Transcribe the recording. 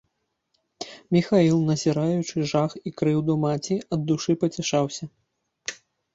Міхаіл, назіраючы жах і крыўду маці, ад душы пацяшаўся.